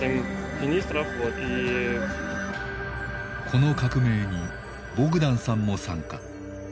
この革命にボグダンさんも参加。